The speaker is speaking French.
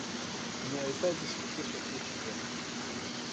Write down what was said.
Il n’y avait pas à discuter sur ce sujet.